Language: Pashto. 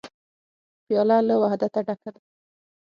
پیاله له وحدته ډکه ده.